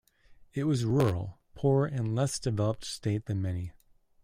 It was a rural, poor and less developed state than many.